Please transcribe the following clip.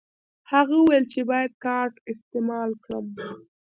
هغه وویل چې باید کارت استعمال کړم.